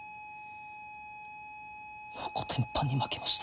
もうこてんぱんに負けました。